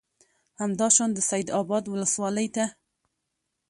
همدا شان د سید آباد ولسوالۍ ته